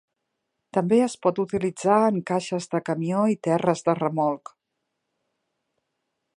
També es pot utilitzar en caixes de camió i terres de remolc.